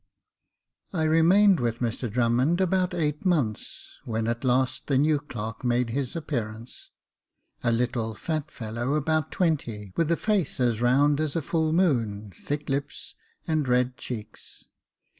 I REMAINED With Mr Dmmmond about eight months, when at last the new clerk made his appearance — a little fat fellow, about twenty, with a face as round as a full moon, thick lips, and red cheeks.